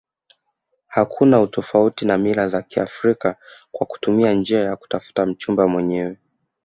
Hakuna utofauti na mila za kiafrika kwa kutumia njia ya kutafuta mchumba mwenyewe